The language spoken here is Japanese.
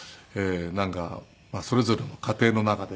なんかそれぞれの家庭の中で。